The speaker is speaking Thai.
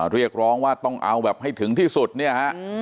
เรียกร้องว่าต้องเอาแบบให้ถึงที่สุดเนี่ยฮะ